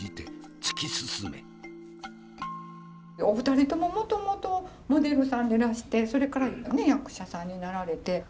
お二人とももともとモデルさんでいらしてそれから役者さんになられて。